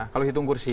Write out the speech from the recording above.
kalau hitung kursi